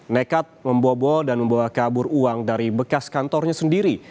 nekat membobol dan membawa kabur uang dari bekas kantornya sendiri